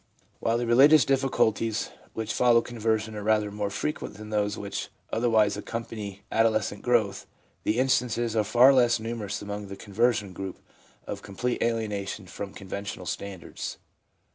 While the religions difficulties which follow con version are rather more frequent than those which other wise accampany adolescent growth, the instances ai'e far less numerous among the conversion group of complete alienation from conventional standards.